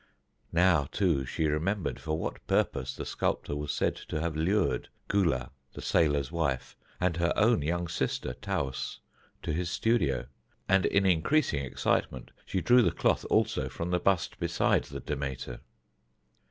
Now, too, she remembered for what purpose the sculptor was said to have lured Gula, the sailor's wife, and her own young sister Taus, to his studio, and in increasing excitement she drew the cloth also from the bust beside the Demeter.